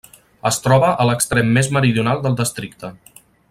Es troba a l'extrem més meridional del districte.